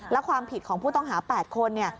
และความผิดของผู้ต้องหา๘คน